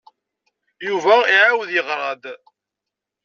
Yuba iɛawed yeɣra-d.